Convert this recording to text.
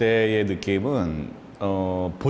saat saya melihatnya